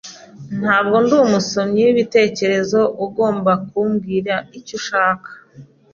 Ntabwo ndi umusomyi wibitekerezo. Ugomba kumbwira icyo ushaka.